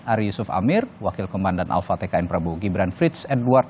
ari yusuf amir wakil komandan alfa tkn prabowo gibran frits edward